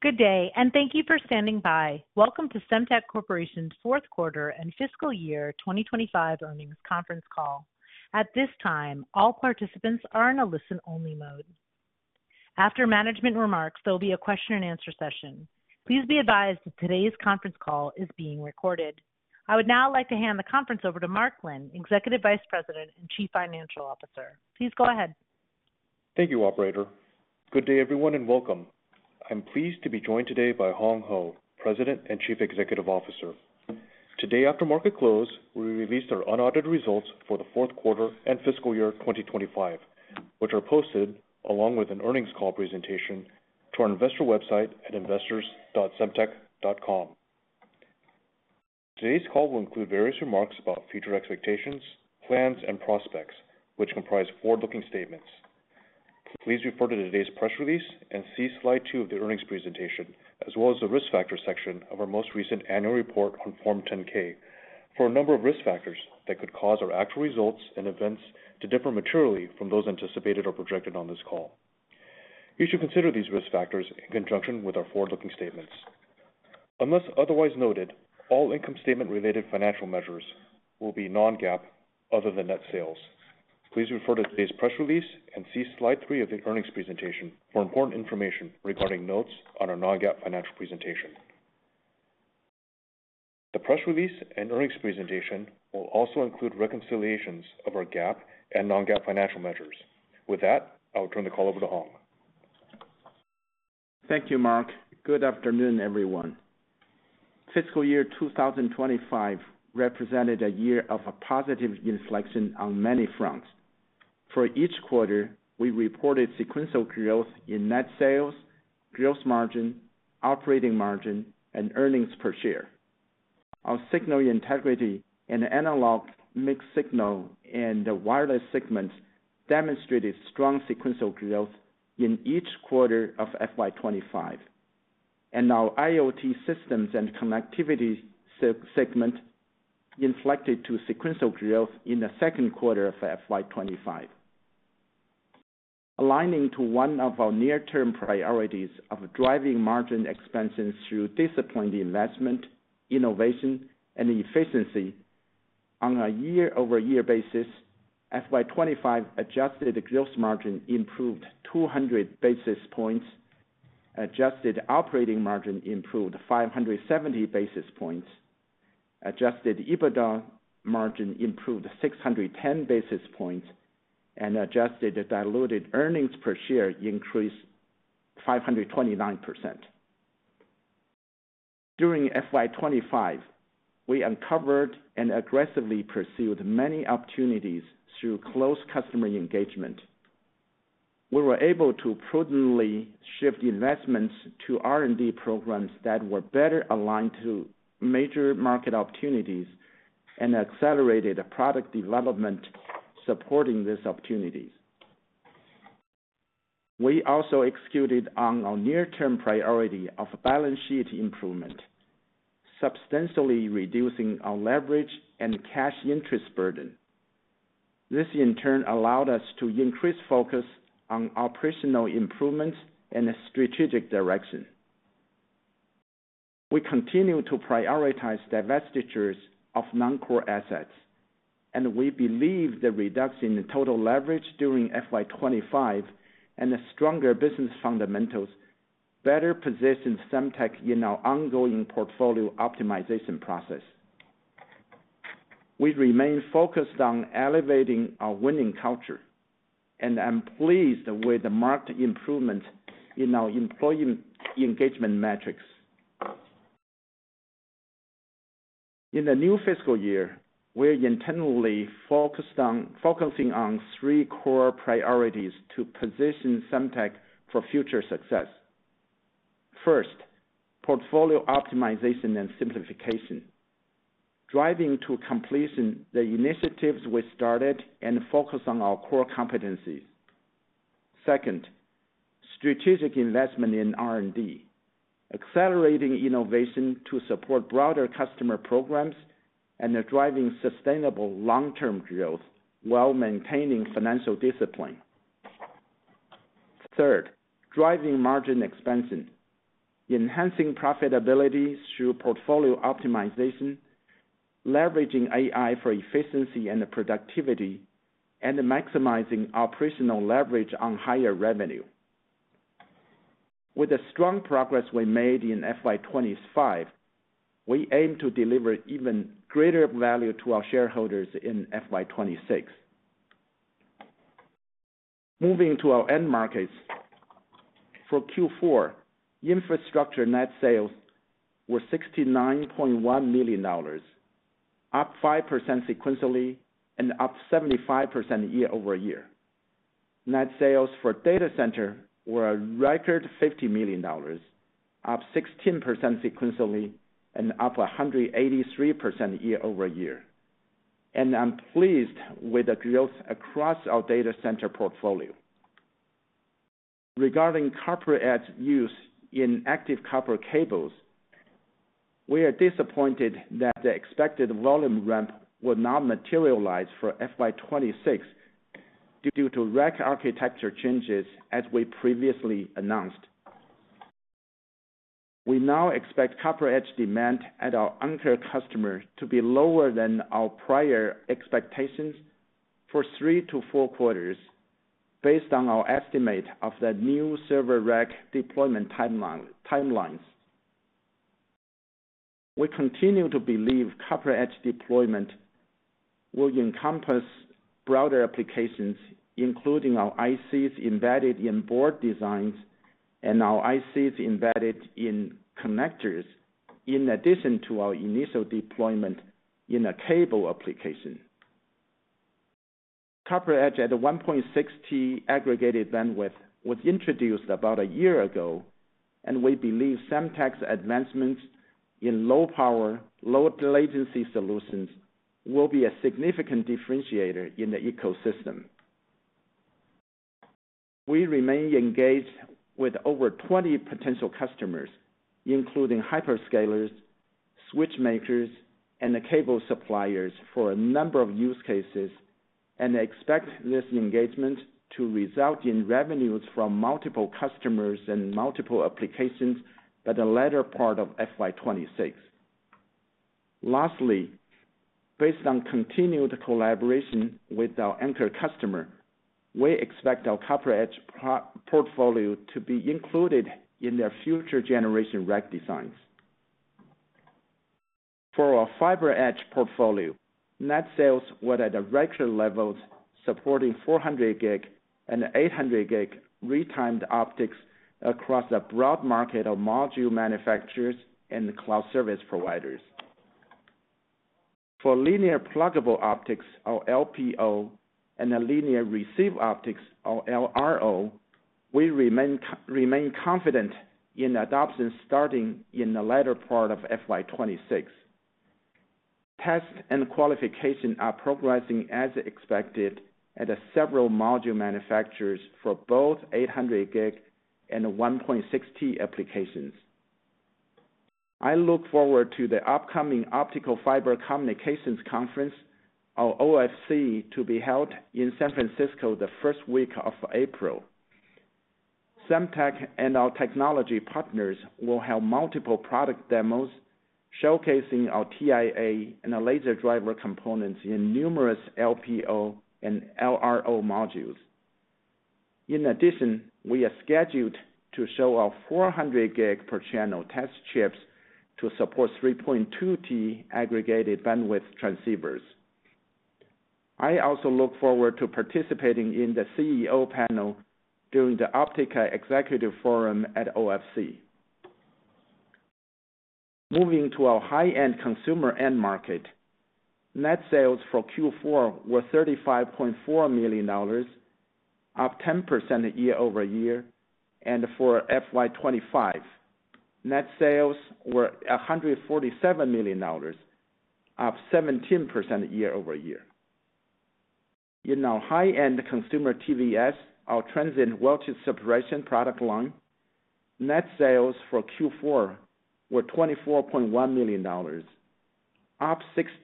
Good day, and thank you for standing by. Welcome to Semtech Corporation's fourth quarter and fiscal year 2025 earnings conference call. At this time, all participants are in a listen-only mode. After management remarks, there will be a question-and-answer session. Please be advised that today's conference call is being recorded. I would now like to hand the conference over to Mark Lin, Executive Vice President and Chief Financial Officer. Please go ahead. Thank you, Operator. Good day, everyone, and welcome. I'm pleased to be joined today by Hong Hou, President and Chief Executive Officer. Today, after market close, we will release our unaudited results for the fourth quarter and fiscal year 2025, which are posted along with an earnings call presentation to our investor website at investors.semtech.com. Today's call will include various remarks about future expectations, plans, and prospects, which comprise forward-looking statements. Please refer to today's press release and see slide two of the earnings presentation, as well as the risk factor section of our most recent annual report on Form 10-K for a number of risk factors that could cause our actual results and events to differ materially from those anticipated or projected on this call. You should consider these risk factors in conjunction with our forward-looking statements. Unless otherwise noted, all income statement-related financial measures will be non-GAAP other than net sales. Please refer to today's press release and see slide three of the earnings presentation for important information regarding notes on our non-GAAP financial presentation. The press release and earnings presentation will also include reconciliations of our GAAP and non-GAAP financial measures. With that, I will turn the call over to Hong. Thank you, Mark. Good afternoon, everyone. Fiscal year 2025 represented a year of a positive inflection on many fronts. For each quarter, we reported sequential growth in net sales, gross margin, operating margin, and earnings per share. Our signal integrity and analog mixed signal and wireless segments demonstrated strong sequential growth in each quarter of FY25, and our IoT systems and connectivity segment inflected to sequential growth in the second quarter of FY25. Aligning to one of our near-term priorities of driving margin expansions through disciplined investment, innovation, and efficiency on a year-over-year basis, FY25 adjusted gross margin improved 200 basis points, adjusted operating margin improved 570 basis points, adjusted EBITDA margin improved 610 basis points, and adjusted diluted earnings per share increased 529%. During FY25, we uncovered and aggressively pursued many opportunities through close customer engagement. We were able to prudently shift investments to R&D programs that were better aligned to major market opportunities and accelerated product development supporting these opportunities. We also executed on our near-term priority of balance sheet improvement, substantially reducing our leverage and cash interest burden. This, in turn, allowed us to increase focus on operational improvements and strategic direction. We continue to prioritize divestitures of non-core assets, and we believe the reduction in total leverage during FY2025 and stronger business fundamentals better positions Semtech in our ongoing portfolio optimization process. We remain focused on elevating our winning culture, and I'm pleased with the marked improvement in our employee engagement metrics. In the new fiscal year, we're intentionally focusing on three core priorities to position Semtech for future success. First, portfolio optimization and simplification. Driving to completion the initiatives we started and focus on our core competencies. Second, strategic investment in R&D. Accelerating innovation to support broader customer programs and driving sustainable long-term growth while maintaining financial discipline. Third, driving margin expansion. Enhancing profitability through portfolio optimization, leveraging AI for efficiency and productivity, and maximizing operational leverage on higher revenue. With the strong progress we made in FY25, we aim to deliver even greater value to our shareholders in FY26. Moving to our end markets. For Q4, infrastructure net sales were $69.1 million, up 5% sequentially and up 75% year-over-year. Net sales for data center were a record $50 million, up 16% sequentially and up 183% year-over-year. I am pleased with the growth across our data center portfolio. Regarding CopperEdge use in active copper cables, we are disappointed that the expected volume ramp will not materialize for FY26 due to rack architecture changes as we previously announced. We now expect CopperEdge demand at our on-call customers to be lower than our prior expectations for three to four quarters, based on our estimate of the new server rack deployment timelines. We continue to believe CopperEdge deployment will encompass broader applications, including our ICs embedded in board designs and our ICs embedded in connectors, in addition to our initial deployment in a cable application. CopperEdge at 1.6T aggregated bandwidth was introduced about a year ago, and we believe Semtech's advancements in low-power, low-latency solutions will be a significant differentiator in the ecosystem. We remain engaged with over 20 potential customers, including hyperscalers, switchmakers, and cable suppliers for a number of use cases, and expect this engagement to result in revenues from multiple customers and multiple applications by the latter part of FY2026. Lastly, based on continued collaboration with our anchor customer, we expect our CopperEdge portfolio to be included in their future-generation rack designs. For our FiberEdge portfolio, net sales were at a record level, supporting 400G and 800G retimed optics across a broad market of module manufacturers and cloud service providers. For linear pluggable optics, or LPO, and linear receive optics, or LRO, we remain confident in adoption starting in the latter part of fiscal year 2026. Test and qualification are progressing as expected at several module manufacturers for both 800G and 1.6T applications. I look forward to the upcoming Optical Fiber Communications Conference, or OFC, to be held in San Francisco the first week of April. Semtech and our technology partners will have multiple product demos showcasing our TIA and our laser driver components in numerous LPO and LRO modules. In addition, we are scheduled to show our 400 gig per channel test chips to support 3.2T aggregated bandwidth transceivers. I also look forward to participating in the CEO panel during the Optica Executive Forum at OFC. Moving to our high-end consumer end market. Net sales for Q4 were $35.4 million, up 10% year-over-year, and for FY2025, net sales were $147 million, up 17% year-over-year. In our high-end consumer TVS, our Transcend Welded Separation product line, net sales for Q4 were $24.1 million, up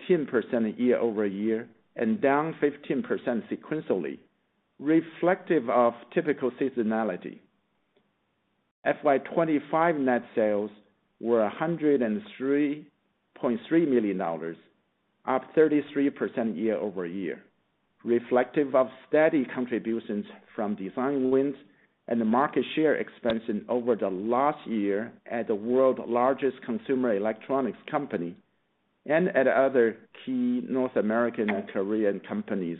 16% year-over-year and down 15% sequentially, reflective of typical seasonality. FY2025 net sales were $103.3 million, up 33% year-over-year, reflective of steady contributions from DesignWinds and market share expansion over the last year at the world's largest consumer electronics company and at other key North American and Korean companies.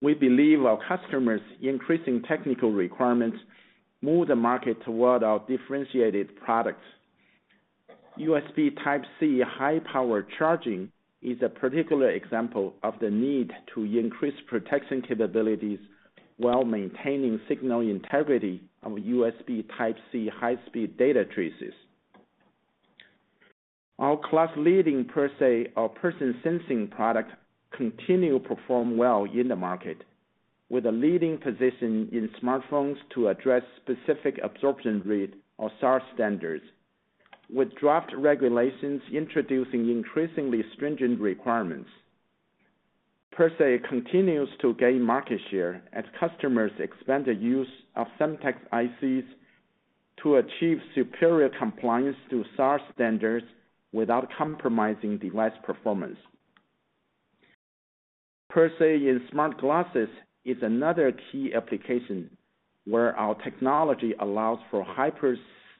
We believe our customers' increasing technical requirements move the market toward our differentiated products. USB Type-C high-power charging is a particular example of the need to increase protection capabilities while maintaining signal integrity of USB Type-C high-speed data traces. Our class-leading PerSe or person sensing product continues to perform well in the market, with a leading position in smartphones to address specific absorption rate or SAR standards, with draft regulations introducing increasingly stringent requirements. PerSe continues to gain market share as customers expand the use of Semtech's ICs to achieve superior compliance to SAR standards without compromising device performance. PerSe in smart glasses is another key application where our technology allows for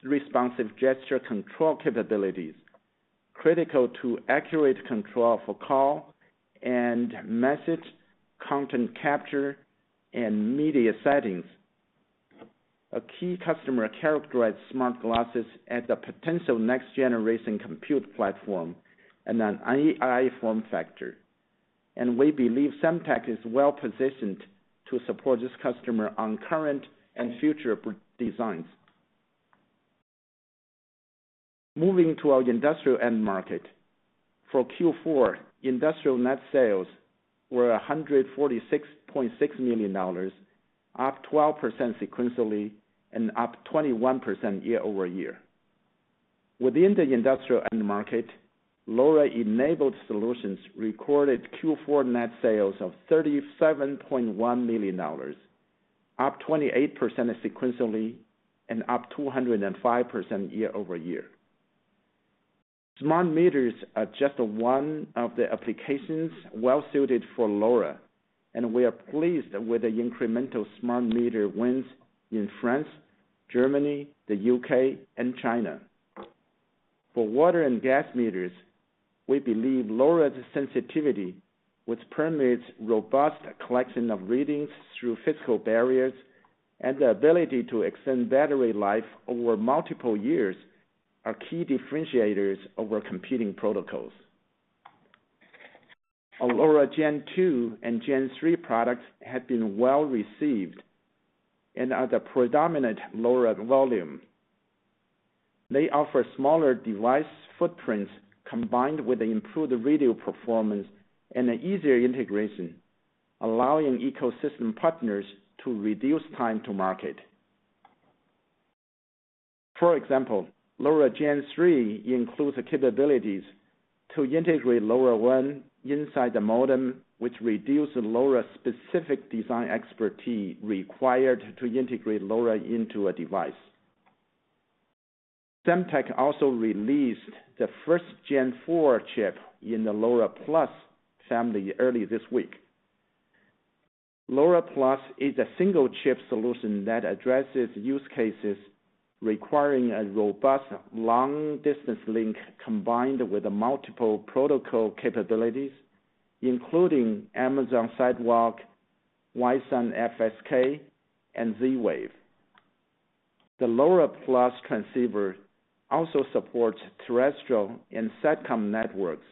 hyper-responsive gesture control capabilities, critical to accurate control for call and message, content capture, and media settings. A key customer characterized smart glasses as a potential next-generation compute platform and an AI form factor, and we believe Semtech is well-positioned to support this customer on current and future designs. Moving to our industrial end market. For Q4, industrial net sales were $146.6 million, up 12% sequentially and up 21% year-over-year. Within the industrial end market, LoRa-enabled solutions recorded Q4 net sales of $37.1 million, up 28% sequentially and up 205% year-over-year. Smart meters are just one of the applications well-suited for LoRa, and we are pleased with the incremental smart meter wins in France, Germany, the U.K., and China. For water and gas meters, we believe LoRa's sensitivity, which permits robust collection of readings through physical barriers, and the ability to extend battery life over multiple years are key differentiators over competing protocols. Our LoRa Gen 2 and Gen 3 products have been well-received and are the predominant LoRa volume. They offer smaller device footprints combined with improved radio performance and easier integration, allowing ecosystem partners to reduce time to market. For example, LoRa Gen 3 includes capabilities to integrate LoRaWAN inside the modem, which reduces LoRa-specific design expertise required to integrate LoRa into a device. Semtech also released the first Gen 4 chip in the LoRaPlus family early this week. LoRaPlus is a single-chip solution that addresses use cases requiring a robust long-distance link combined with multiple protocol capabilities, including Amazon Sidewalk, YSUN FSK, and Z-Wave. The LoRaPlus transceiver also supports terrestrial and satcom networks,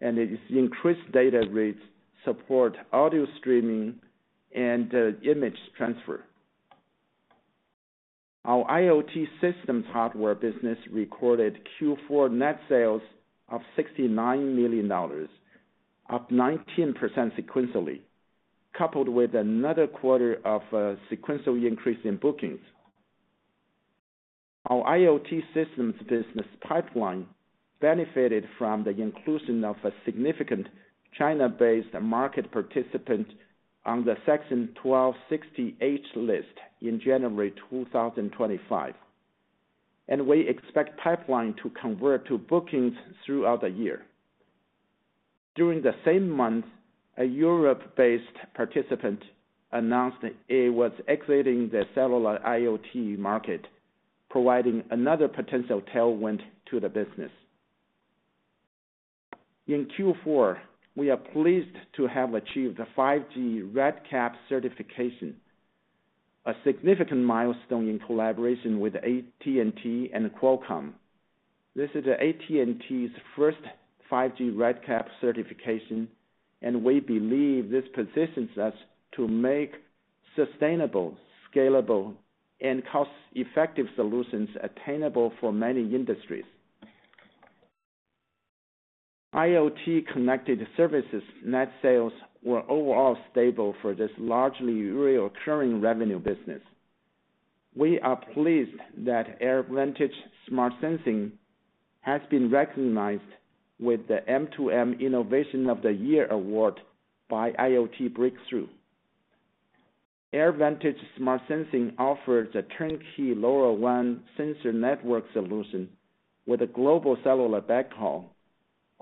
and its increased data rates support audio streaming and image transfer. Our IoT systems hardware business recorded Q4 net sales of $69 million, up 19% sequentially, coupled with another quarter of a sequential increase in bookings. Our IoT systems business pipeline benefited from the inclusion of a significant China-based market participant on the Section 1260H list in January 2025, and we expect pipeline to convert to bookings throughout the year. During the same month, a Europe-based participant announced it was exiting the cellular IoT market, providing another potential tailwind to the business. In Q4, we are pleased to have achieved a 5G REDCap certification, a significant milestone in collaboration with AT&T and Qualcomm. This is AT&T's first 5G REDCap certification, and we believe this positions us to make sustainable, scalable, and cost-effective solutions attainable for many industries. IoT connected services net sales were overall stable for this largely recurring revenue business. We are pleased that Air Vantage Smart Sensing has been recognized with the M2M Innovation of the Year Award by IoT Breakthrough. Air Vantage Smart Sensing offers a turnkey LoRaWAN sensor network solution with a global cellular backhaul,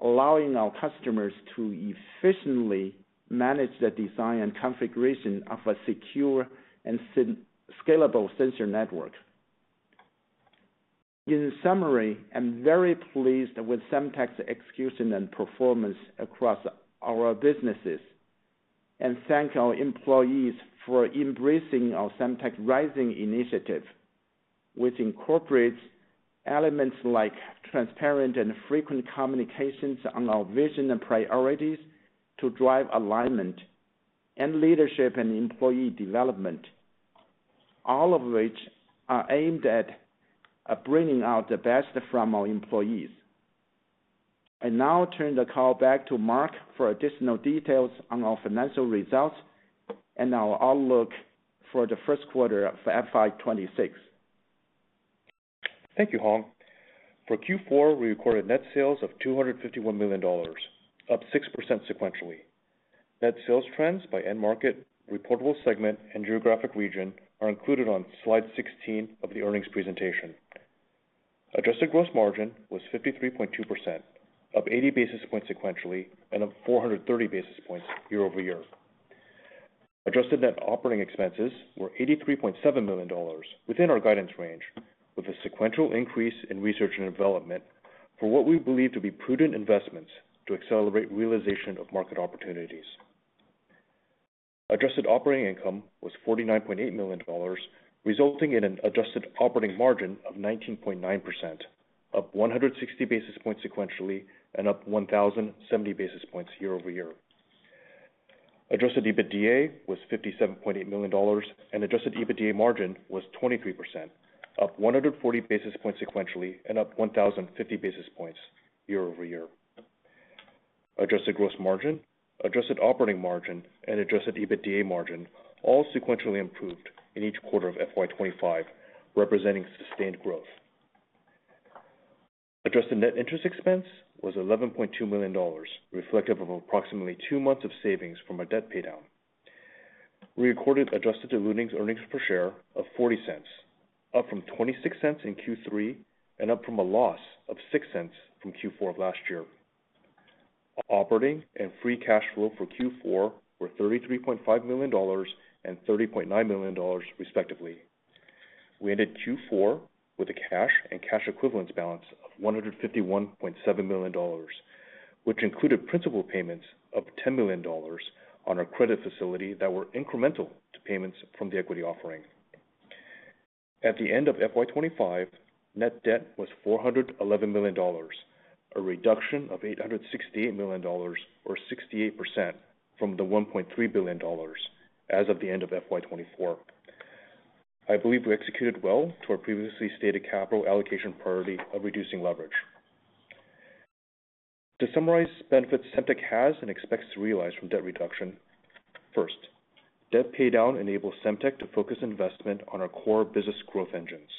allowing our customers to efficiently manage the design and configuration of a secure and scalable sensor network. In summary, I'm very pleased with Semtech's execution and performance across our businesses, and thank our employees for embracing our Semtech Rising initiative, which incorporates elements like transparent and frequent communications on our vision and priorities to drive alignment and leadership and employee development, all of which are aimed at bringing out the best from our employees. I now turn the call back to Mark for additional details on our financial results and our outlook for the first quarter of FY2026. Thank you, Hong. For Q4, we recorded net sales of $251 million, up 6% sequentially. Net sales trends by end market, reportable segment, and geographic region are included on slide 16 of the earnings presentation. Adjusted gross margin was 53.2%, up 80 basis points sequentially and up 430 basis points year-over-year. Adjusted net operating expenses were $83.7 million within our guidance range, with a sequential increase in research and development for what we believe to be prudent investments to accelerate realization of market opportunities. Adjusted operating income was $49.8 million, resulting in an adjusted operating margin of 19.9%, up 160 basis points sequentially and up 1,070 basis points year-over-year. Adjusted EBITDA was $57.8 million, and adjusted EBITDA margin was 23%, up 140 basis points sequentially and up 1,050 basis points year-over-year. Adjusted gross margin, adjusted operating margin, and adjusted EBITDA margin all sequentially improved in each quarter of FY2025, representing sustained growth. Adjusted net interest expense was $11.2 million, reflective of approximately two months of savings from a debt paydown. We recorded adjusted diluted earnings per share of $0.40, up from $0.26 in Q3 and up from a loss of $0.06 from Q4 of last year. Operating and free cash flow for Q4 were $33.5 million and $30.9 million, respectively. We ended Q4 with a cash and cash equivalents balance of $151.7 million, which included principal payments of $10 million on our credit facility that were incremental to payments from the equity offering. At the end of FY2025, net debt was $411 million, a reduction of $868 million, or 68% from the $1.3 billion as of the end of FY2024. I believe we executed well to our previously stated capital allocation priority of reducing leverage. To summarize benefits Semtech has and expects to realize from debt reduction, first, debt paydown enables Semtech to focus investment on our core business growth engines.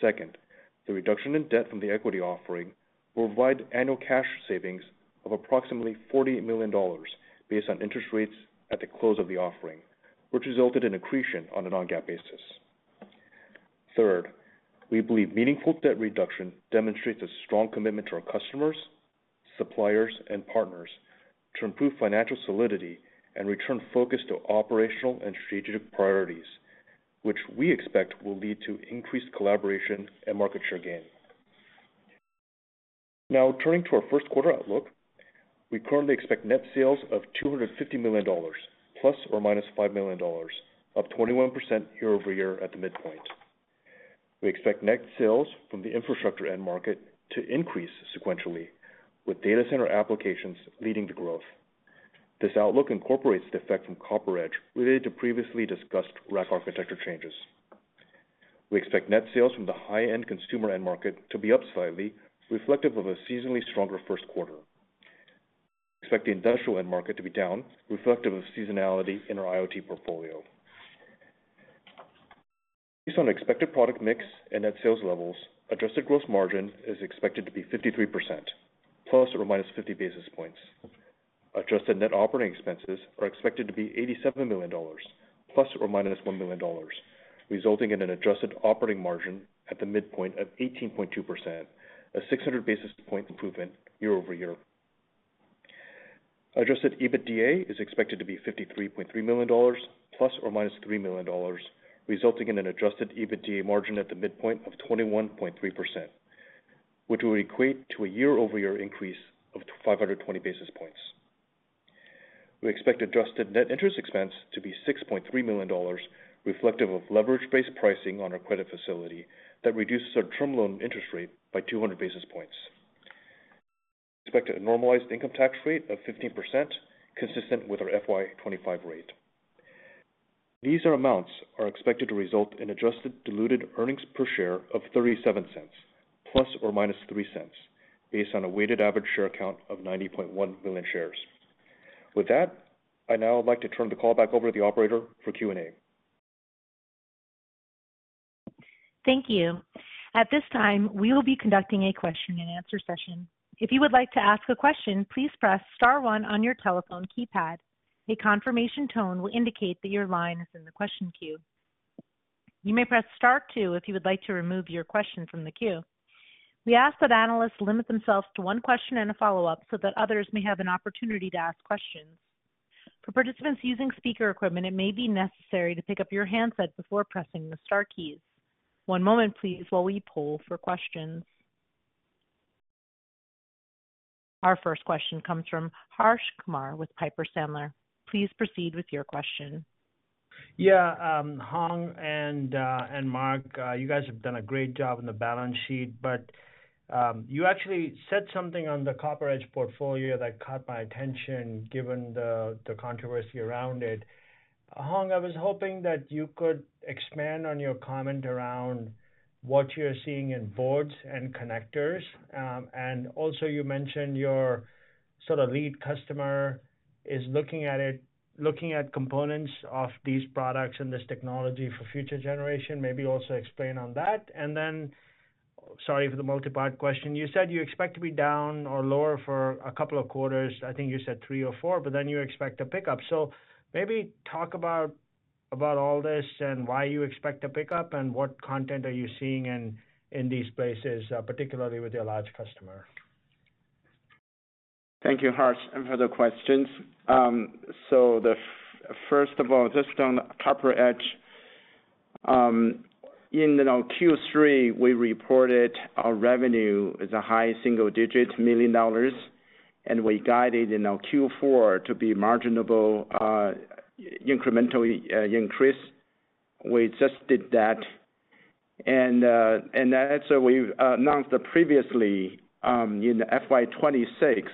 Second, the reduction in debt from the equity offering will provide annual cash savings of approximately $40 million based on interest rates at the close of the offering, which resulted in accretion on an on-GAAP basis. T hird, we believe meaningful debt reduction demonstrates a strong commitment to our customers, suppliers, and partners to improve financial solidity and return focus to operational and strategic priorities, which we expect will lead to increased collaboration and market share gain. Now, turning to our first quarter outlook, we currently expect net sales of $250 million, plus or minus $5 million, up 21% year-over-year at the midpoint. We expect net sales from the infrastructure end market to increase sequentially, with data center applications leading the growth. This outlook incorporates the effect from CopperEdge related to previously discussed rack architecture changes. We expect net sales from the high-end consumer end market to be up slightly, reflective of a seasonally stronger first quarter. We expect the industrial end market to be down, reflective of seasonality in our IoT portfolio. Based on expected product mix and net sales levels, adjusted gross margin is expected to be 53%, plus or minus 50 basis points. Adjusted net operating expenses are expected to be $87 million, plus or minus $1 million, resulting in an adjusted operating margin at the midpoint of 18.2%, a 600 basis point improvement year-over-year. Adjusted EBITDA is expected to be $53.3 million, plus or minus $3 million, resulting in an adjusted EBITDA margin at the midpoint of 21.3%, which will equate to a year-over-year increase of 520 basis points. We expect adjusted net interest expense to be $6.3 million, reflective of leverage-based pricing on our credit facility that reduces our term loan interest rate by 200 basis points. We expect a normalized income tax rate of 15%, consistent with our FY2025 rate. These amounts are expected to result in adjusted diluted earnings per share of $0.37, plus or minus $0.03, based on a weighted average share count of 90.1 million shares. With that, I now would like to turn the call back over to the operator for Q&A. Thank you. At this time, we will be conducting a question-and-answer session. If you would like to ask a question, please press Star 1 on your telephone keypad. A confirmation tone will indicate that your line is in the question queue. You may press Star 2 if you would like to remove your question from the queue. We ask that analysts limit themselves to one question and a follow-up so that others may have an opportunity to ask questions. For participants using speaker equipment, it may be necessary to pick up your handset before pressing the Star keys. One moment, please, while we pull for questions. Our first question comes from Harsh Kumar with Piper Sandler. Please proceed with your question. Yeah, Hong and Mark, you guys have done a great job on the balance sheet, but you actually said something on the CopperEdge portfolio that caught my attention given the controversy around it. Hong, I was hoping that you could expand on your comment around what you're seeing in boards and connectors. Also, you mentioned your sort of lead customer is looking at components of these products and this technology for future generation. Maybe also explain on that. Sorry for the multi-part question, you said you expect to be down or lower for a couple of quarters. I think you said three or four, but then you expect a pickup. Maybe talk about all this and why you expect a pickup and what content are you seeing in these places, particularly with your large customer. Thank you, Harsh, and for the questions. First of all, just on CopperEdge, in Q3, we reported our revenue is a high single-digit million dollars, and we guided in Q4 to be marginable incremental increase. We just did that. As we announced previously in fiscal year 2026,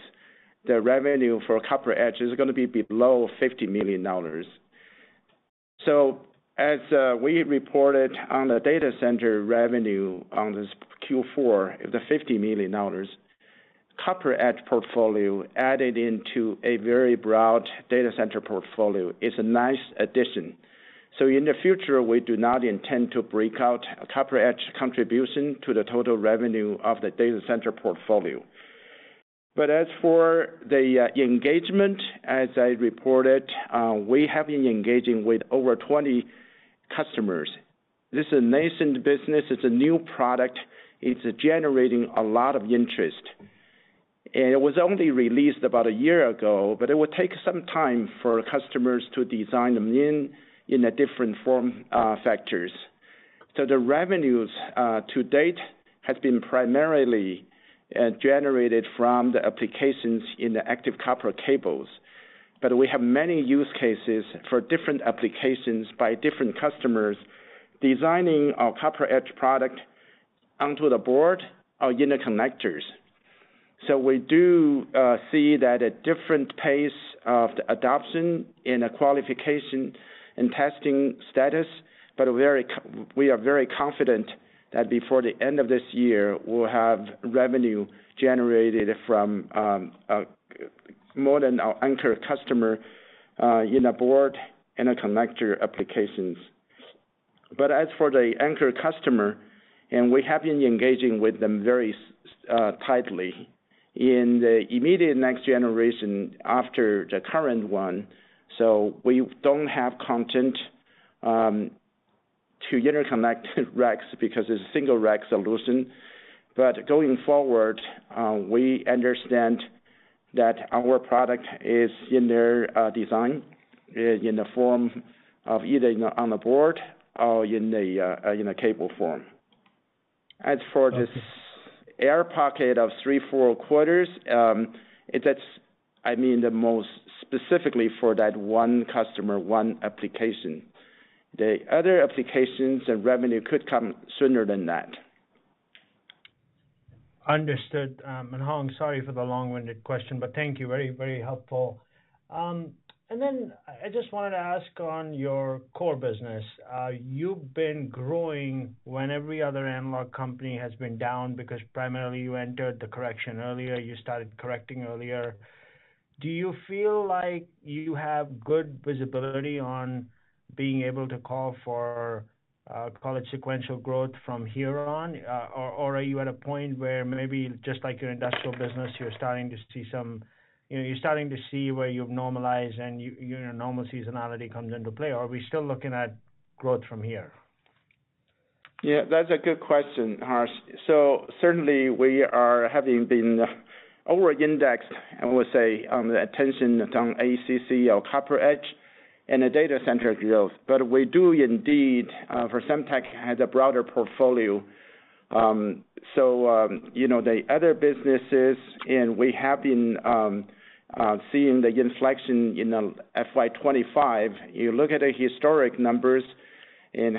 the revenue for CopperEdge is going to be below $50 million. As we reported on the data center revenue on this Q4, the $50 million, CopperEdge portfolio added into a very broad data center portfolio is a nice addition. In the future, we do not intend to break out a CopperEdge contribution to the total revenue of the data center portfolio. As for the engagement, as I reported, we have been engaging with over 20 customers. This is a nascent business. It's a new product. It's generating a lot of interest. It was only released about a year ago, but it will take some time for customers to design them in different form factors. The revenues to date have been primarily generated from the applications in the active copper cables. We have many use cases for different applications by different customers designing our CopperEdge product onto the board or in the connectors. We do see that a different pace of the adoption and the qualification and testing status, but we are very confident that before the end of this year, we'll have revenue generated from more than our anchor customer in a board and a connector applications. As for the anchor customer, and we have been engaging with them very tightly in the immediate next generation after the current one. We don't have content to interconnect racks because it's a single rack solution. Going forward, we understand that our product is in their design in the form of either on the board or in a cable form. As for this air pocket of three, four quarters, I mean the most specifically for that one customer, one application. The other applications and revenue could come sooner than that. Understood. Hong, sorry for the long-winded question, but thank you. Very, very helpful. I just wanted to ask on your core business. You've been growing when every other analog company has been down because primarily you entered the correction earlier. You started correcting earlier. Do you feel like you have good visibility on being able to call for, call it sequential growth from here on? Are you at a point where maybe just like your industrial business, you're starting to see where you've normalized and your normal seasonality comes into play? Are we still looking at growth from here? Yeah, that's a good question, Harsh. Certainly, we have been over-indexed, I would say, on the attention on ACC or CopperEdge and the data center growth. We do indeed, for Semtech, have a broader portfolio. The other businesses, and we have been seeing the inflection in FY2025. You look at the historic numbers and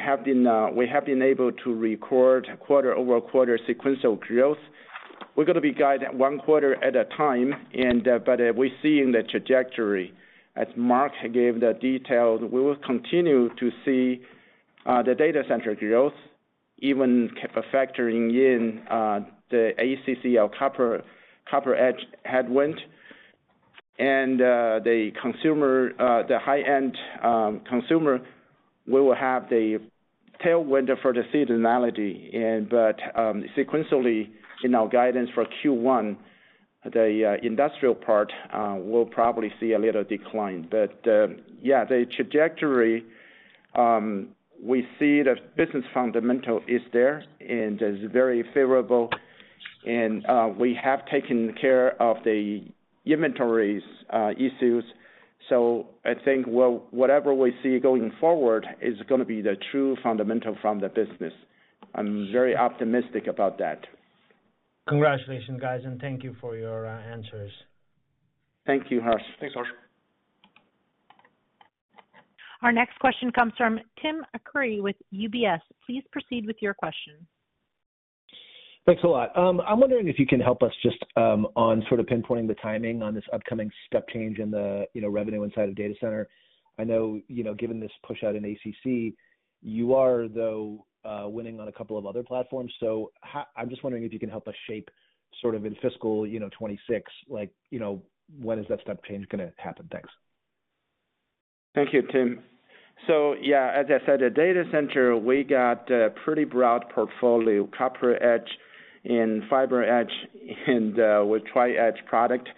we have been able to record quarter-over-quarter sequential growth. We're going to be guided one quarter at a time, but we're seeing the trajectory. As Mark gave the details, we will continue to see the data center growth, even factoring in the ACC or CopperEdge headwind. The consumer, the high-end consumer, we will have the tailwind for the seasonality. Sequentially, in our guidance for Q1, the industrial part will probably see a little decline. The trajectory, we see the business fundamental is there and is very favorable. We have taken care of the inventories issues. I think whatever we see going forward is going to be the true fundamental from the business. I'm very optimistic about that. Congratulations, guys, and thank you for your answers. Thank you, Harsh. Thanks, Harsh. Our next question comes from Tim Akure with UBS. Please proceed with your question. Thanks a lot. I'm wondering if you can help us just on sort of pinpointing the timing on this upcoming step change in the revenue inside of data center. I know given this push out in ACC, you are, though, winning on a couple of other platforms. I'm just wondering if you can help us shape sort of in fiscal 2026, when is that step change going to happen? Thanks. Thank you, Tim. Yeah, as I said, the data center, we got a pretty broad portfolio, CopperEdge and FiberEdge and with TriEdge product.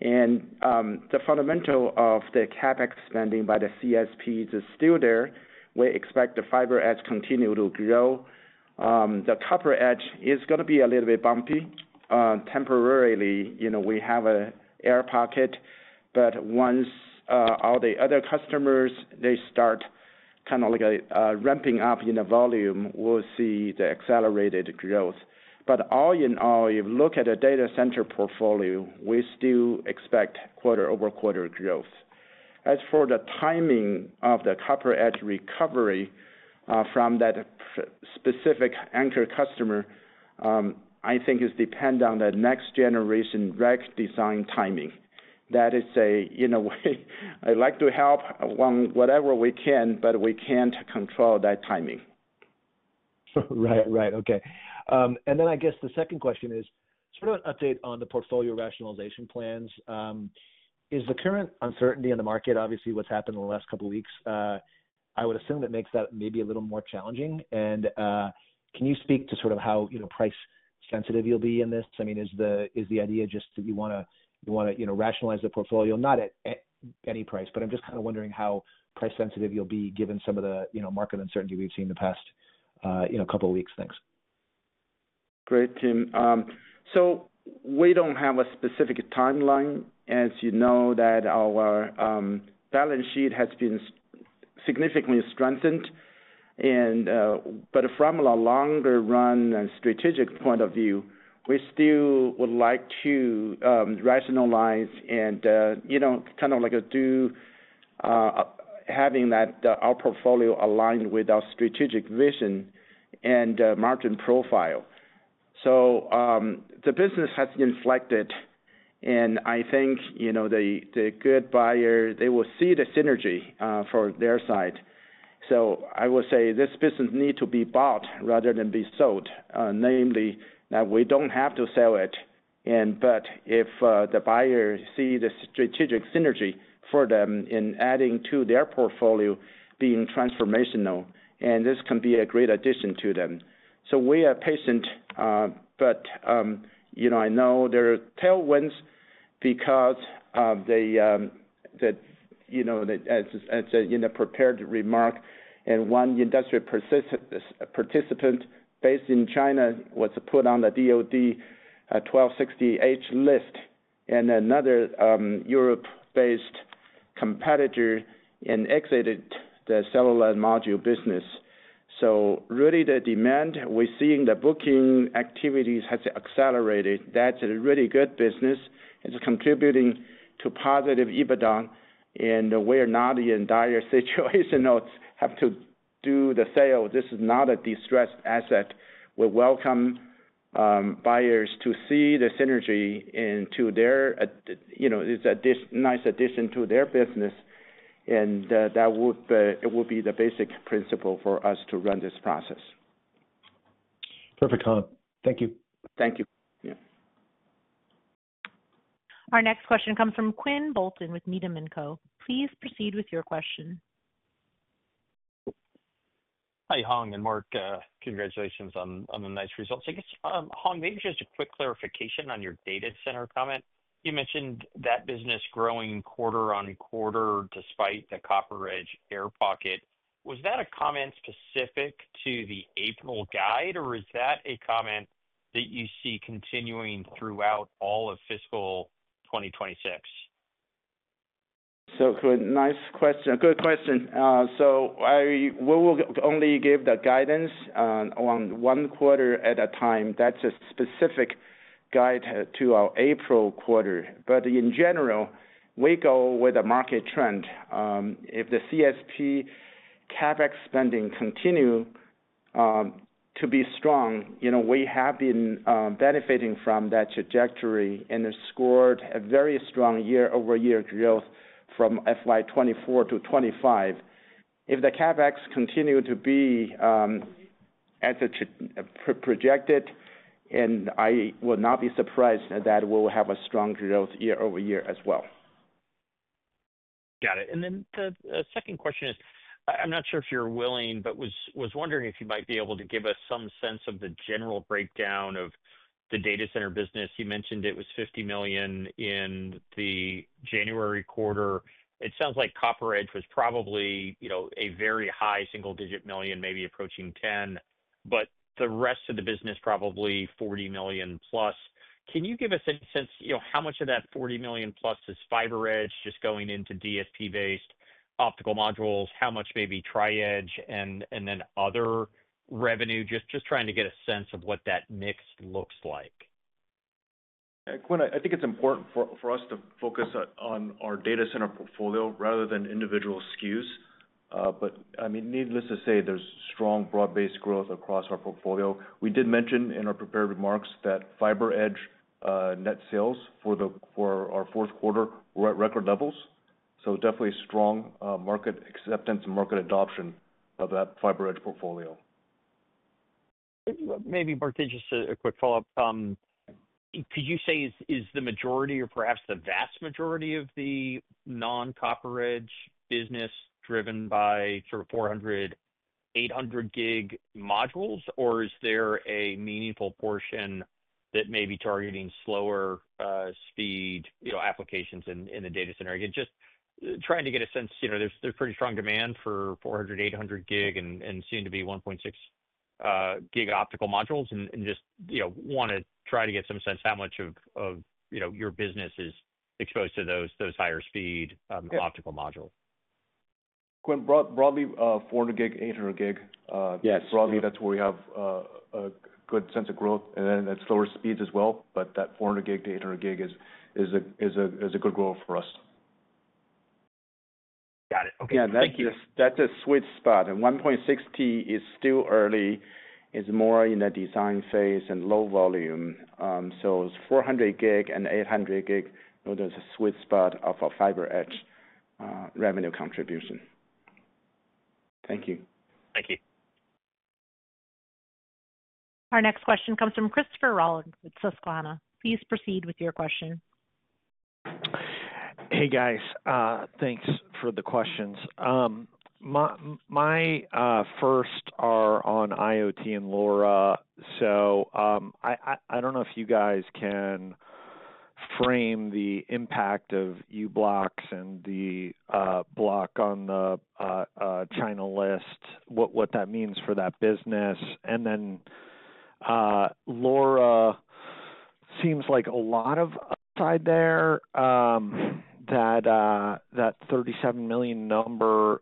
The fundamental of the CapEx spending by the CSPs is still there. We expect the FiberEdge continue to grow. The CopperEdge is going to be a little bit bumpy. Temporarily, we have an air pocket. Once all the other customers, they start kind of like ramping up in the volume, we'll see the accelerated growth. All in all, if you look at the data center portfolio, we still expect quarter-over-quarter growth. As for the timing of the CopperEdge recovery from that specific anchor customer, I think it depends on the next generation rack design timing. That is a, I'd like to help on whatever we can, but we can't control that timing. Right, right. Okay. I guess the second question is sort of an update on the portfolio rationalization plans. Is the current uncertainty in the market, obviously what's happened in the last couple of weeks, I would assume that makes that maybe a little more challenging. Can you speak to sort of how price-sensitive you'll be in this? I mean, is the idea just that you want to rationalize the portfolio, not at any price, but I'm just kind of wondering how price-sensitive you'll be given some of the market uncertainty we've seen the past couple of weeks? Thanks. Great, Tim. We don't have a specific timeline. As you know, our balance sheet has been significantly strengthened. From a longer run and strategic point of view, we still would like to rationalize and kind of like do having our portfolio aligned with our strategic vision and margin profile. The business has inflected, and I think the good buyer, they will see the synergy for their side. I would say this business needs to be bought rather than be sold, namely that we don't have to sell it. If the buyer sees the strategic synergy for them in adding to their portfolio being transformational, this can be a great addition to them. We are patient, but I know there are tailwinds because, as in the prepared remark, one industrial participant based in China was put on the DOD Section 1260H list, and another Europe-based competitor exited the cellular module business. So really, the demand we're seeing, the booking activities, has accelerated. That's a really good business. It's contributing to positive EBITDA, and we are not in a dire situation of having to do the sale. This is not a distressed asset. We welcome buyers to see the synergy into their, it's a nice addition to their business. That would be the basic principle for us to run this process. Perfect, Hong. Thank you. Thank you. Yeah. Our next question comes from Quinn Bolton with Needham & Company. Please proceed with your question. Hi, Hong and Mark. Congratulations on the nice results. I guess, Hong, maybe just a quick clarification on your data center comment. You mentioned that business growing quarter on quarter despite the CopperEdge air pocket. Was that a comment specific to the April guide, or is that a comment that you see continuing throughout all of fiscal 2026? Nice question. Good question. We will only give the guidance on one quarter at a time. That is a specific guide to our April quarter. In general, we go with the market trend. If the CSP CapEx spending continues to be strong, we have been benefiting from that trajectory and scored a very strong year-over-year growth from FY24 to 25. If the CapEx continues to be as projected, and I will not be surprised that we will have a strong growth year-over-year as well. Got it. The second question is, I'm not sure if you're willing, but was wondering if you might be able to give us some sense of the general breakdown of the data center business. You mentioned it was $50 million in the January quarter. It sounds like CopperEdge was probably a very high single-digit million, maybe approaching $10 million, but the rest of the business probably $40 million plus. Can you give us a sense how much of that $40 million plus is FiberEdge just going into DSP-based optical modules? How much maybe Tri-Edge and then other revenue? Just trying to get a sense of what that mix looks like. Quinn, I think it's important for us to focus on our data center portfolio rather than individual SKUs. I mean, needless to say, there's strong broad-based growth across our portfolio. We did mention in our prepared remarks that FiberEdge net sales for our fourth quarter were at record levels. Definitely strong market acceptance and market adoption of that FiberEdge portfolio. Maybe Mark, just a quick follow-up. Could you say is the majority or perhaps the vast majority of the known coverge businessf 400, 800 gig modules that may be targeting slower speed applications in the data center? Again, just trying to get a sense. There's pretty strong demand for 400, 800 gig and soon to be 1.6 giga optical modules. Just want to try to get some sense how much of your business is exposed to those higher speed optical modules. Quinn, broadly, 400 gig, 800 gig. Yes. Broadly, that's where we have a good sense of growth. Then at slower speeds as well, but that 400 gig to 800 gig is a good growth for us. Got it. Okay. Thank you. Yeah, that's a sweet spot. And 1.6T is still early. It's more in the design phase and low volume. So it's 400 gig and 800 gig. There's a sweet spot of a FiberEdge revenue contribution. Thank you. Thank you. Our next question comes from Christopher Rolland with Susquehanna. Please proceed with your question. Hey, guys. Thanks for the questions. My first are on IoT and LoRa. I don't know if you guys can frame the impact of u-blox and the block on the China list, what that means for that business. LoRa seems like a lot of upside there. That $37 million number,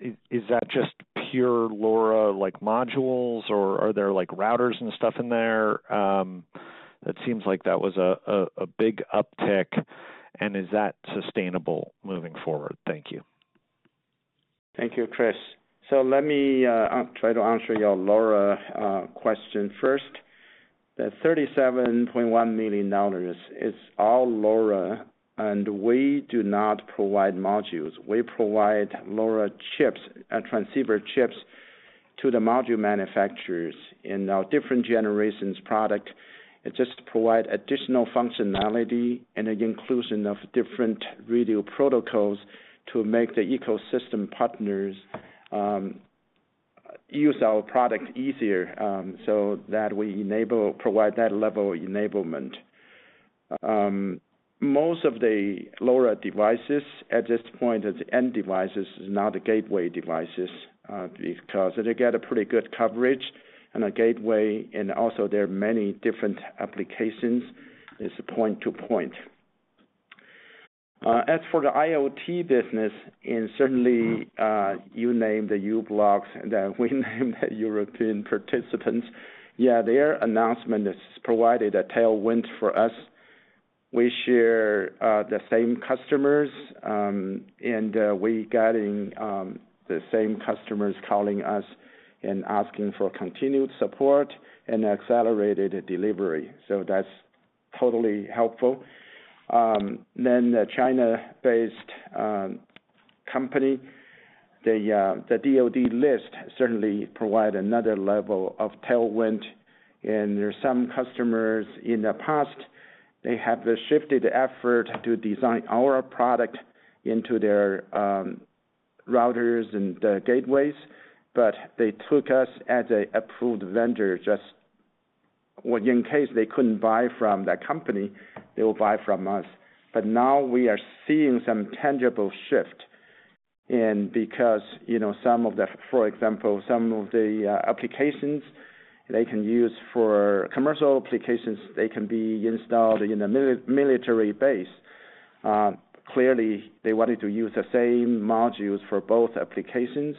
is that just pure LoRa modules, or are there routers and stuff in there? It seems like that was a big uptick. Is that sustainable moving forward? Thank you. Thank you, Chris. Let me try to answer your LoRa question first. The $37.1 million is all LoRa, and we do not provide modules. We provide LoRa chips, transceiver chips to the module manufacturers in our different generations product. It just provides additional functionality and the inclusion of different radio protocols to make the ecosystem partners use our product easier so that we enable, provide that level of enablement. Most of the LoRa devices at this point are end devices, not gateway devices, because they get a pretty good coverage and a gateway. Also, there are many different applications that are point-to-point. As for the IoT business, and certainly you named the u-blox and then we named the European participants. Yeah, their announcement has provided a tailwind for us. We share the same customers, and we're getting the same customers calling us and asking for continued support and accelerated delivery. That is totally helpful. The China-based company, the DOD list certainly provides another level of tailwind. There are some customers in the past, they have shifted effort to design our product into their routers and gateways, but they took us as an approved vendor just in case they could not buy from that company, they will buy from us. Now we are seeing some tangible shift. In because some of the, for example, some of the applications they can use for commercial applications, they can be installed in a military base. Clearly, they wanted to use the same modules for both applications,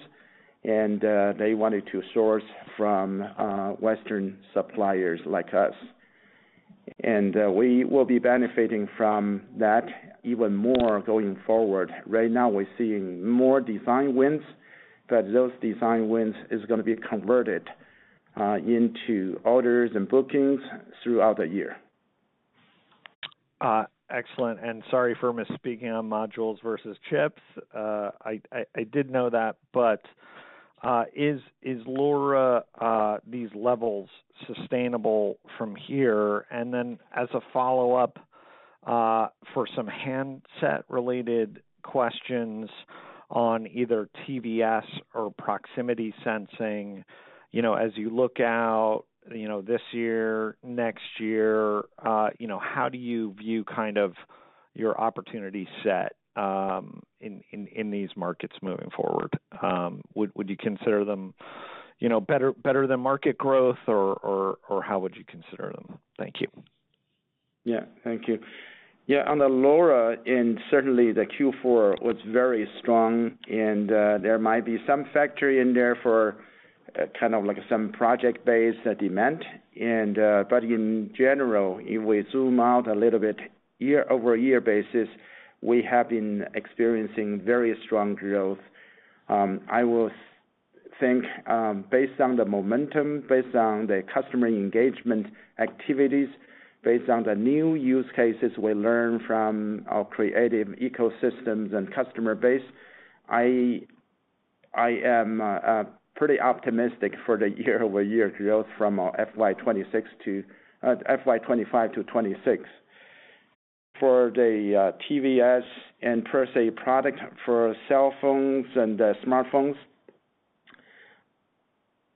and they wanted to source from Western suppliers like us. We will be benefiting from that even more going forward. Right now, we're seeing more design wins, but those design wins are going to be converted into orders and bookings throughout the year. Excellent. Sorry for misspeaking on modules versus chips. I did know that, but is LoRa, these levels sustainable from here? As a follow-up for some handset-related questions on either TVS or proximity sensing, as you look out this year, next year, how do you view kind of your opportunity set in these markets moving forward? Would you consider them better than market growth, or how would you consider them? Thank you. Yeah. Thank you. Yeah. On the LoRa and certainly the Q4 was very strong, and there might be some factor in there for kind of like some project-based demand. In general, if we zoom out a little bit year-ovYer-year basis, we have been experiencing very strong growth. I will think based on the momentum, based on the customer engagement activities, based on the new use cases we learn from our creative ecosystems and customer base, I am pretty optimistic for the year-over-year growth from FY2025 to 2026. For the TVS and PerSe product for cell phones and smartphones,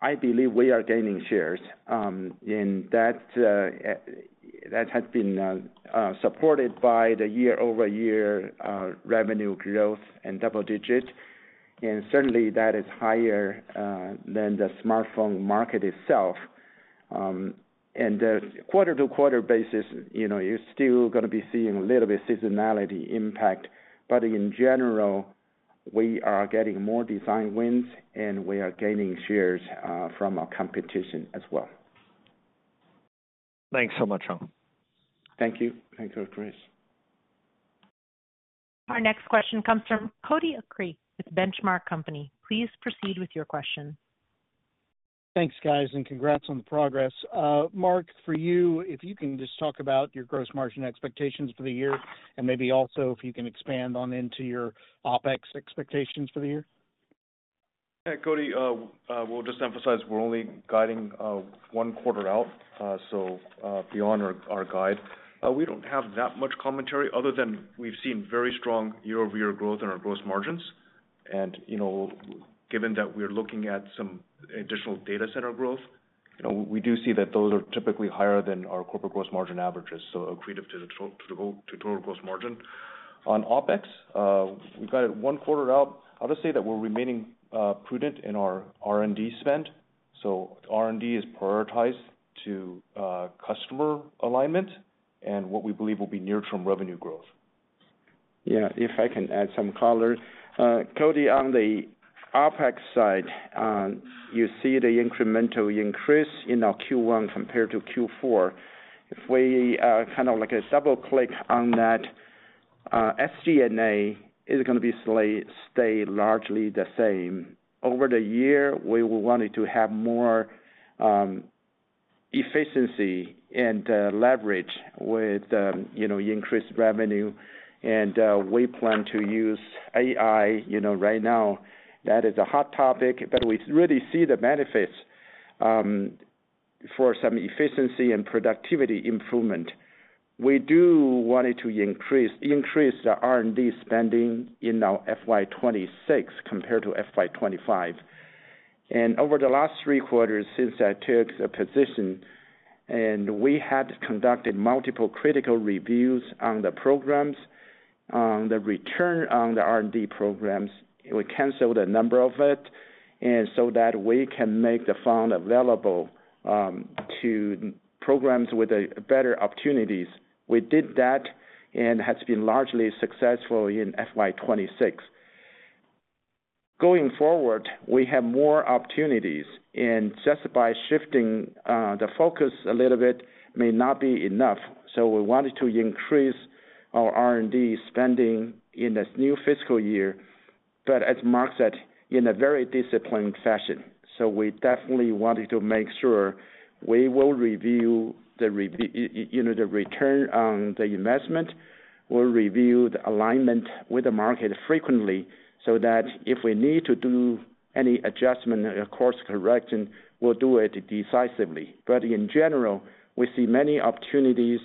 I believe we are gaining shares. That has been supported by the year-over-year revenue growth and double digits. Certainly, that is higher than the smartphone market itself. a quarter-to-quarter basis, you're still going to be seeing a little bit of seasonality impact. In general, we are getting more design wins, and we are gaining shares from our competition as well. Thanks so much, Hong. Thank you. Thank you, Chris. Our next question comes from Cody Acree with The Benchmark Company. Please proceed with your question. Thanks, guys, and congrats on the progress. Mark, for you, if you can just talk about your gross margin expectations for the year, and maybe also if you can expand on your OpEx expectations for the year. Cody, we'll just emphasize we're only guiding one quarter out, so beyond our guide. We don't have that much commentary other than we've seen very strong year-over-year growth in our gross margins. Given that we're looking at some additional data center growth, we do see that those are typically higher than our corporate gross margin averages, so equated to total gross margin. On OpEx, we've got it one quarter out. I'll just say that we're remaining prudent in our R&D spend. R&D is prioritized to customer alignment and what we believe will be near-term revenue growth. Yeah. If I can add some color. Cody, on the OpEx side, you see the incremental increase in our Q1 compared to Q4. If we kind of like double-click on that, SG&A is going to stay largely the same. Over the year, we wanted to have more efficiency and leverage with increased revenue. We plan to use AI right now. That is a hot topic, but we really see the benefits for some efficiency and productivity improvement. We do want to increase the R&D spending in our FY26 compared to FY25. Over the last three quarters since I took the position, we had conducted multiple critical reviews on the programs, on the return on the R&D programs. We canceled a number of it so that we can make the fund available to programs with better opportunities. We did that and has been largely successful in FY26. Going forward, we have more opportunities. Just by shifting the focus a little bit may not be enough. We wanted to increase our R&D spending in this new fiscal year, but as Mark said, in a very disciplined fashion. We definitely wanted to make sure we will review the return on the investment. We'll review the alignment with the market frequently so that if we need to do any adjustment or course correction, we'll do it decisively. In general, we see many opportunities,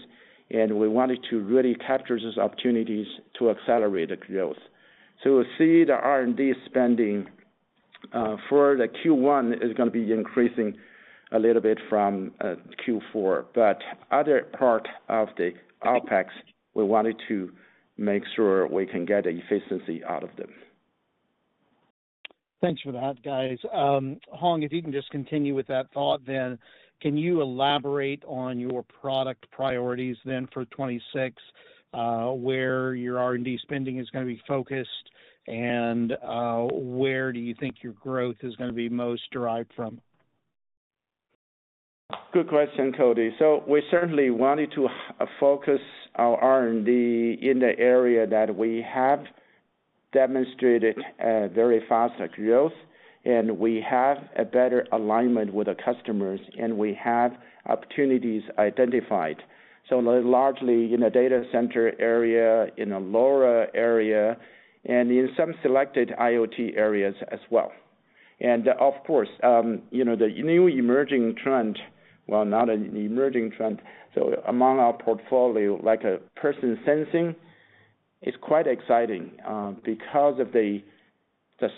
and we wanted to really capture those opportunities to accelerate the growth. We will see the R&D spending for Q1 is going to be increasing a little bit from Q4. Other part of the OpEx, we wanted to make sure we can get efficiency out of them. Thanks for that, guys. Hong, if you can just continue with that thought, then can you elaborate on your product priorities then for 2026, where your R&D spending is going to be focused, and where do you think your growth is going to be most derived from? Good question, Cody. We certainly wanted to focus our R&D in the area that we have demonstrated very fast growth, and we have a better alignment with our customers, and we have opportunities identified. Largely in the data center area, in the LoRa area, and in some selected IoT areas as well. Of course, the new emerging trend, well, not an emerging trend. Among our portfolio, like a person sensing, it's quite exciting because the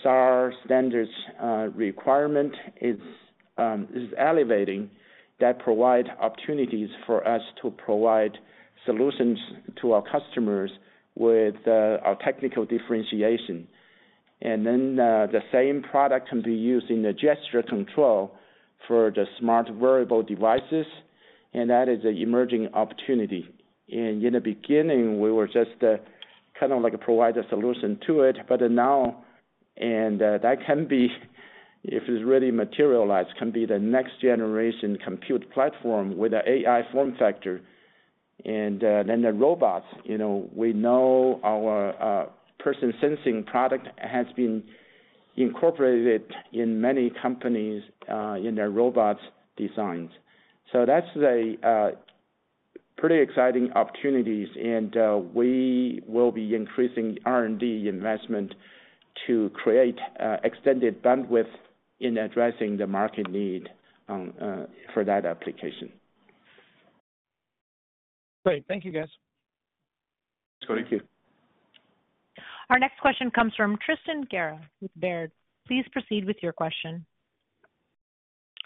SAR standards requirement is elevating. That provides opportunities for us to provide solutions to our customers with our technical differentiation. The same product can be used in the gesture control for the smart wearable devices, and that is an emerging opportunity. In the beginning, we were just kind of like provide a solution to it, but now that can be, if it's really materialized, the next generation compute platform with an AI form factor. The robots, we know our person sensing product has been incorporated in many companies in their robots designs. That's pretty exciting opportunities, and we will be increasing R&D investment to create extended bandwidth in addressing the market need for that application. Great. Thank you, guys. Thanks, Cody. Thank you. Our next question comes from Tristan Gera with Baird. Please proceed with your question.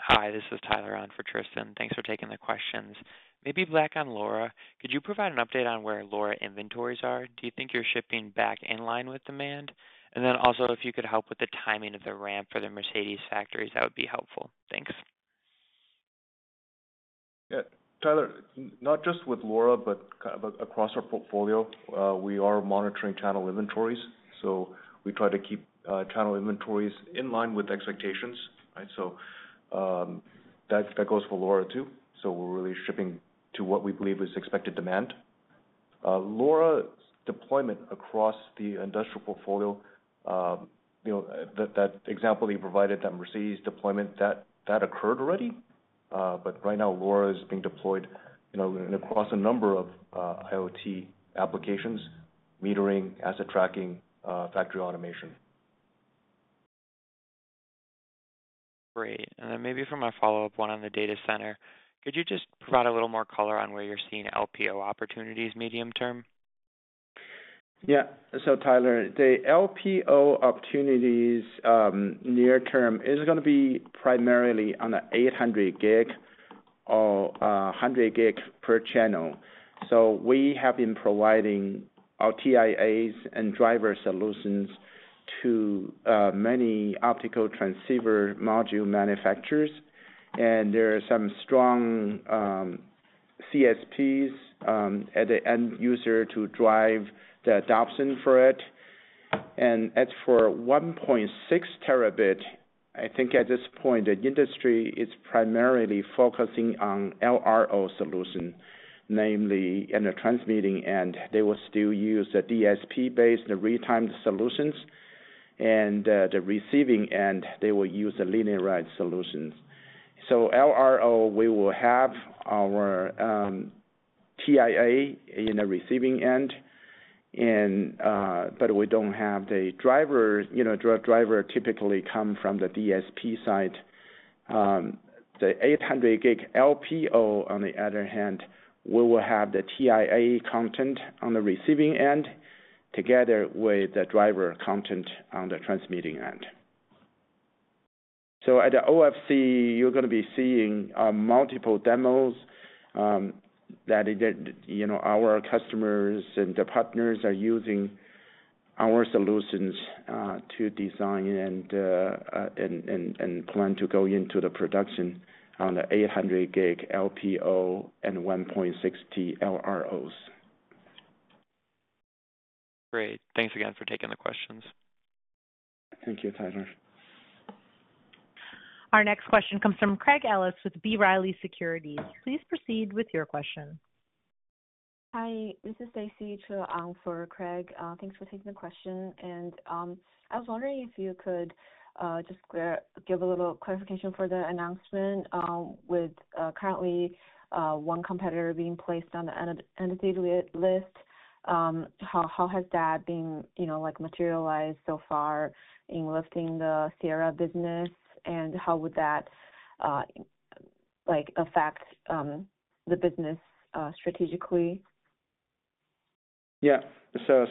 Hi, this is Tyler Ahn for Tristan. Thanks for taking the questions. Maybe back on LoRa, could you provide an update on where LoRa inventories are? Do you think you're shipping back in line with demand? Also, if you could help with the timing of the ramp for the Mercedes factories, that would be helpful. Thanks. Yeah. Tyler, not just with LoRa, but across our portfolio, we are monitoring channel inventories. We try to keep channel inventories in line with expectations. That goes for LoRa too. We're really shipping to what we believe is expected demand. LoRa deployment across the industrial portfolio, that example you provided, that Mercedes deployment, that occurred already. Right now, LoRa is being deployed across a number of IoT applications, metering, asset tracking, factory automation. Great. Maybe for my follow-up one on the data center, could you just provide a little more color on where you're seeing LPO opportunities medium term? Yeah. Tyler, the LPO opportunities near term is going to be primarily on the 800G or 100G per channel. We have been providing our TIAs and driver solutions to many optical transceiver module manufacturers. There are some strong CSPs at the end user to drive the adoption for it. As for 1.6 terabit, I think at this point, the industry is primarily focusing on LRO solution, namely in the transmitting end. They will still use the DSP-based retimed solutions. The receiving end, they will use the linearized solutions. LRO, we will have our TIA in the receiving end, but we do not have the driver. Driver typically comes from the DSP side. The 800 gig LPO, on the other hand, we will have the TIA content on the receiving end together with the driver content on the transmitting end. At the OFC, you are going to be seeing multiple demos that our customers and the partners are using our solutions to design and plan to go into the production on the 800 gig LPO and 1.60 LROs. Great. Thanks again for taking the questions. Thank you, Tyler. Our next question comes from Craig Ellis with B. Riley Securities. Please proceed with your question. Hi. This is Stacy Cho Ahn for Craig. Thanks for taking the question.I was wondering if you could just give a little clarification for the announcement with currently one competitor being placed on the end of the list. How has that been materialized so far in lifting the Sierra business, and how would that affect the business strategically? Yeah.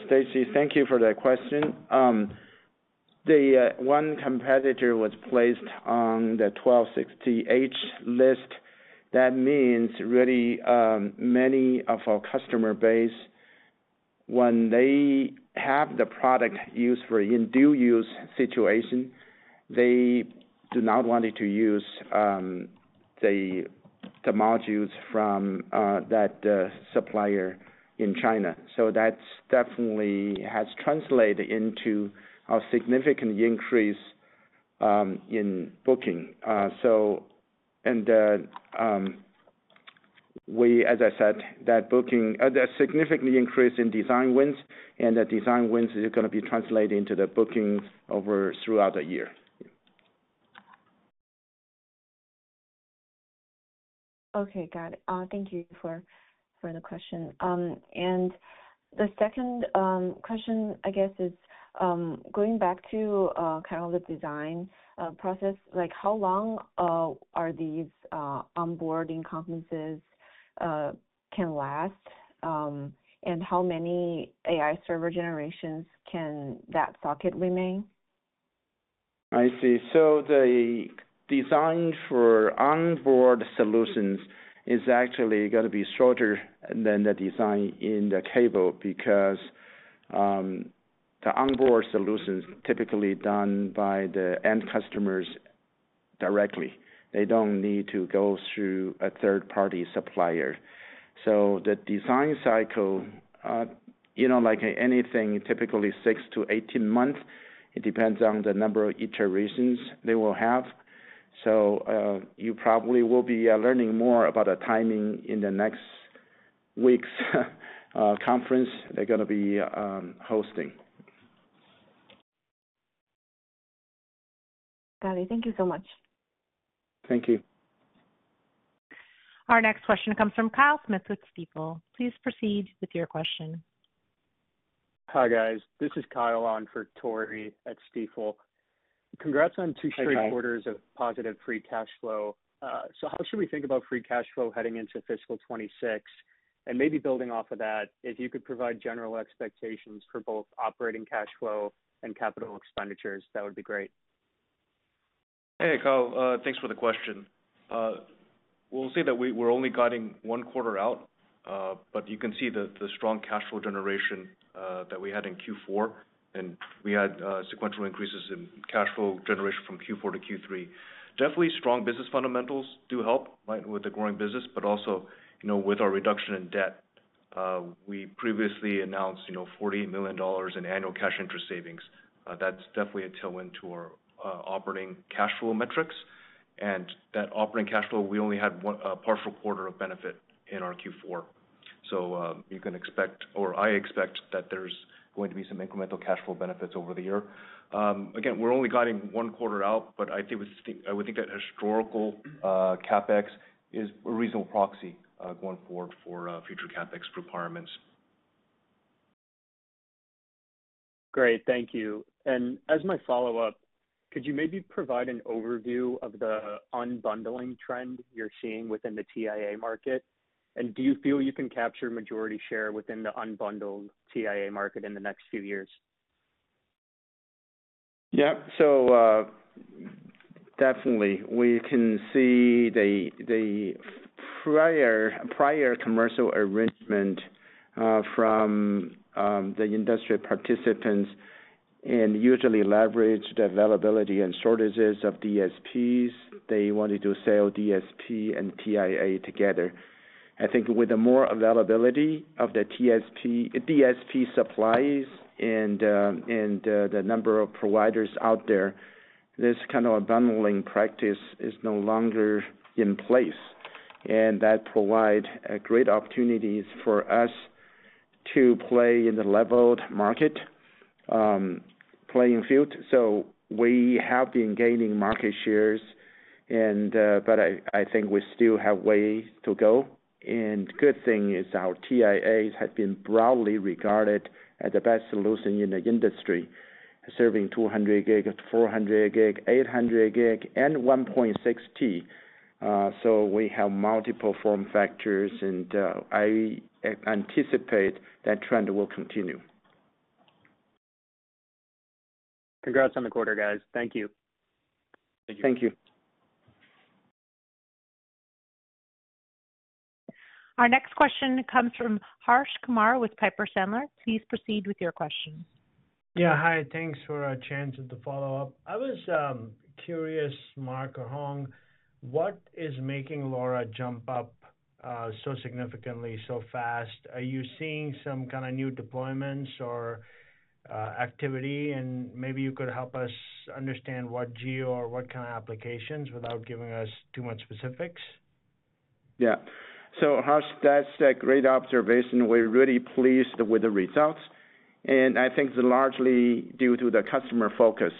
Stacy, thank you for that question. One competitor was placed on the 1260H list. That means really many of our customer base, when they have the product used for in-due use situation, they do not want to use the modules from that supplier in China. That definitely has translated into a significant increase in booking. As I said, that booking, a significant increase in design wins, and the design wins is going to be translated into the bookings throughout the year. Okay. Got it. Thank you for the question. The second question, I guess, is going back to kind of the design process, how long are these onboarding conferences can last, and how many AI server generations can that socket remain? I see. The design for onboard solutions is actually going to be shorter than the design in the cable because the onboard solutions are typically done by the end customers directly. They do not need to go through a third-party supplier. The design cycle, like anything, typically 6-18 months. It depends on the number of iterations they will have. You probably will be learning more about the timing in the next week's conference they are going to be hosting. Got it. Thank you so much. Thank you. Our next question comes from Kyle Smith with Stifel. Please proceed with your question. Hi, guys. This is Kyle Ahn for Tory at Stifel. Congrats on two straight quarters of positive free cash flow. How should we think about free cash flow heading into fiscal 2026? Maybe building off of that, if you could provide general expectations for both operating cash flow and capital expenditures, that would be great. Hey, Kyle. Thanks for the question. We'll say that we're only cutting one quarter out, but you can see the strong cash flow generation that we had in Q4, and we had sequential increases in cash flow generation from Q4 to Q3. Definitely strong business fundamentals do help with the growing business, but also with our reduction in debt. We previously announced $40 million in annual cash interest savings. That's definitely a tailwind to our operating cash flow metrics. That operating cash flow, we only had a partial quarter of benefit in our Q4. You can expect, or I expect, that there's going to be some incremental cash flow benefits over the year. Again, we're only cutting one quarter out, but I would think that historical CapEx is a reasonable proxy going forward for future CapEx requirements. Great. Thank you. As my follow-up, could you maybe provide an overview of the unbundling trend you're seeing within the TIA market? Do you feel you can capture majority share within the unbundled TIA market in the next few years? Yep. We can see the prior commercial arrangement from the industry participants and usually leverage the availability and shortages of DSPs. They wanted to sell DSP and TIA together. I think with the more availability of the DSP supplies and the number of providers out there, this kind of bundling practice is no longer in place. That provides great opportunities for us to play in the leveled market, playing field. We have been gaining market shares, but I think we still have a way to go. The good thing is our TIAs have been broadly regarded as the best solution in the industry, serving 200 gig, 400 gig, 800 gig, and 1.6T. We have multiple form factors, and I anticipate that trend will continue. Congrats on the quarter, guys. Thank you. Thank you. Thank you. Our next question comes from Harsh Kumar with Piper Sandler. Please proceed with your question. Yeah. Hi. Thanks for a chance to follow up. I was curious, Mark or Hong, what is making LoRa jump up so significantly, so fast? Are you seeing some kind of new deployments or activity? Maybe you could help us understand what geo or what kind of applications without giving us too much specifics. Yeah. Harsh, that's a great observation. We're really pleased with the results. I think it's largely due to the customer focus.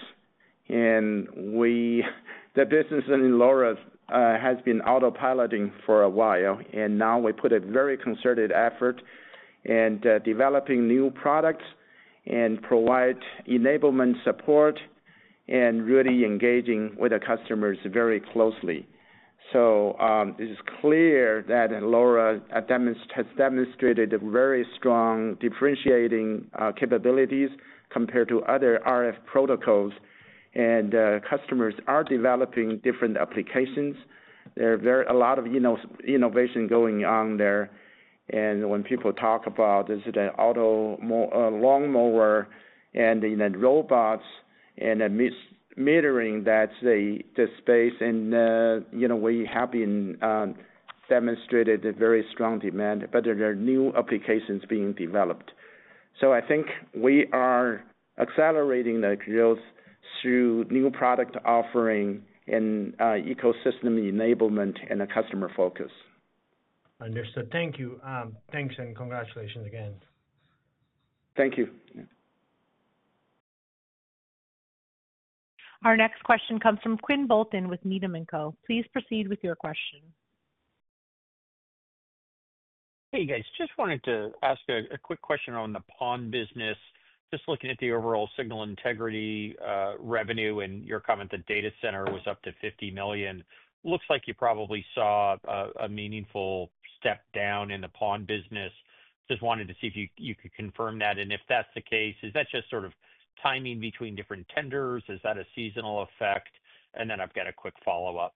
The business in LoRa has been autopiloting for a while. Now we put a very concerted effort in developing new products and providing enablement support and really engaging with the customers very closely. It is clear that LoRa has demonstrated very strong differentiating capabilities compared to other RF protocols. Customers are developing different applications. There is a lot of innovation going on there. When people talk about this, it is a lawn mower and robots and metering, that's the space. We have demonstrated a very strong demand, but there are new applications being developed. I think we are accelerating the growth through new product offering and ecosystem enablement and a customer focus. Understood. Thank you. Thanks and congratulations again. Thank you. Our next question comes from Quinn Bolton with The Benchmark Company. Please proceed with your question. Hey, guys. Just wanted to ask a quick question on the PON business. Just looking at the overall signal integrity revenue and your comment, the data center was up to $50 million. Looks like you probably saw a meaningful step down in the PON business. Just wanted to see if you could confirm that. If that's the case, is that just sort of timing between different tenders? Is that a seasonal effect? I have a quick follow-up.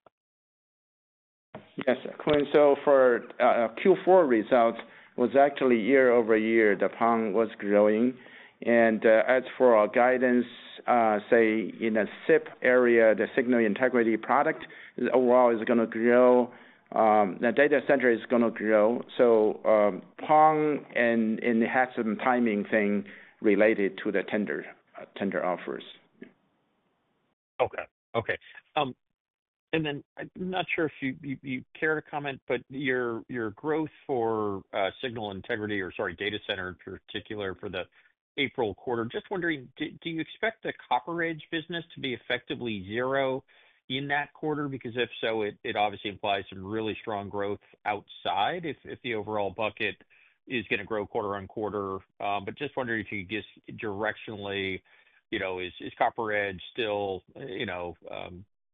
Yes. Quinn, for Q4 results, it was actually year over year the PON was growing. As for our guidance, say in the SIP area, the signal integrity product, overall, is going to grow. The data center is going to grow. Pond and it has some timing thing related to the tender offers. Okay. Okay. I am not sure if you care to comment, but your growth for signal integrity or, sorry, data center in particular for the April quarter, just wondering, do you expect the CopperEdge business to be effectively zero in that quarter? Because if so, it obviously implies some really strong growth outside if the overall bucket is going to grow quarter on quarter. Just wondering if you could just directionally, is CopperEdge still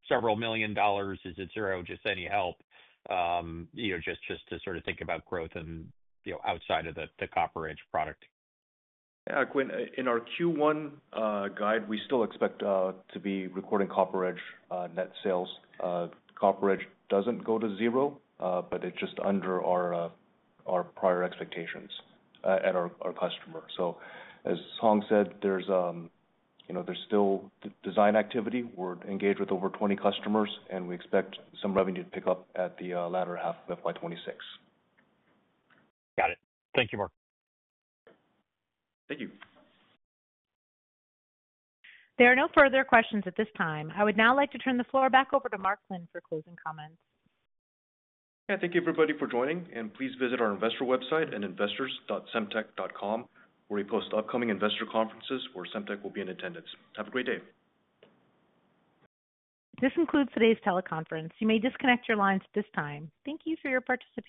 several million dollars? Is it zero? Just any help, just to sort of think about growth outside of the CopperEdge product? Got it. Thank you, Mark. Thank you. There are no further questions at this time. I would now like to turn the floor back over to Mark Quinn for closing comments. Thank you, everybody, for joining. Please visit our investor website at investors.semtech.com where we post upcoming investor conferences where Semtech will be in attendance. Have a great day. This concludes today's teleconference. You may disconnect your lines at this time. Thank you for your participation.